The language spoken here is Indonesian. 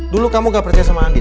dulu kamu gak percaya sama andi